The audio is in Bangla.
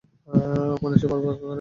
মানুষের পারাপার করে।